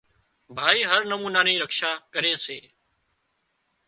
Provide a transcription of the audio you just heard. ڀائي هر نمونا نِي رکشا ڪري سي